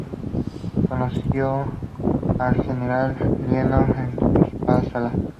Conoció al genial Linneo en Upsala.